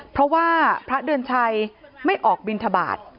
เพราะว่าพระเดือนชัยไม่ออกบินทบาท